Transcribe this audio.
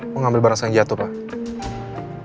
mengambil barang saya yang jatuh pak